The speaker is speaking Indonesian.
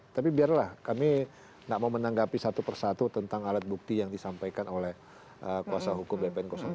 tapi biarlah kami tidak mau menanggapi satu persatu tentang alat bukti yang disampaikan oleh kuasa hukum bpn satu